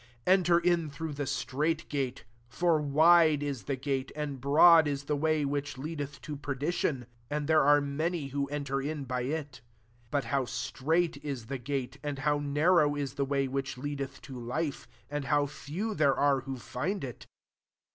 13 "Enter in through the strait gate ; for wide is the gate, and broad is the way which lead eth to perdition, and there are many who enter in by it. 14 But how strait is the gate, and Aoit^ narrow is the way which leadeth to life; and how few there are who find it